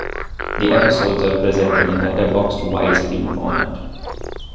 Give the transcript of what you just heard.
The episodes are presented in letterboxed widescreen format.